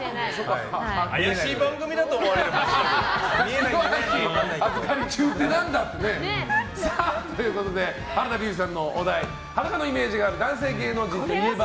怪しい番組だと思われるんですけど。ということで原田龍二さんのお題裸のイメージがある男性芸能人といえば？